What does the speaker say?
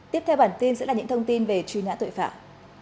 tiếp theo bản tin sẽ là những thông tin về truy nã tội phạm